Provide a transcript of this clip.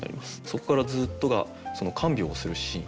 そこからずっとが看病をするシーン。